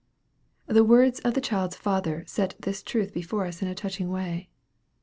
The words of the child's father set this truth before us in a touching way.